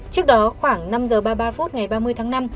trước đó khoảng năm giờ ba mươi ba phút ngày ba mươi tháng năm